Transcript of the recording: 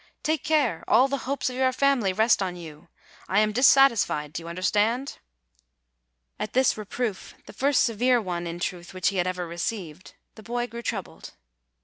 Take care; all the hopes of your family rest on you. I am dissatisfied; do you under stand ?" At this reproof, the first severe one, in truth, which he had ever received, the boy grew troubled.